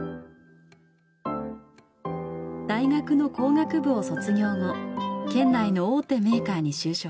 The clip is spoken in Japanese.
大学の工学部を卒業後県内の大手メーカーに就職。